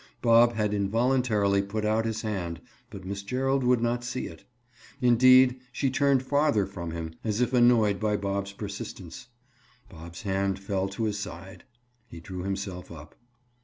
Bob had involuntarily put out his hand but Miss Gerald would not see it. Indeed, she turned farther from him, as if annoyed by Bob's persistence. Bob's hand fell to his side, he drew himself up.